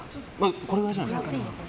これぐらいじゃないですか。